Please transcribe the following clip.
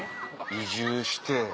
移住して。